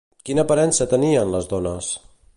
Quina aparença tenien, les dones?